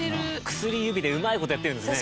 薬指でうまい事やってるんですね。